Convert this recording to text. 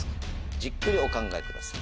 じっくりお考えください。